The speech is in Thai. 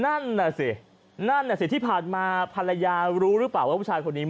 นั่นน่ะสินั่นน่ะสิที่ผ่านมาภรรยารู้หรือเปล่าว่าผู้ชายคนนี้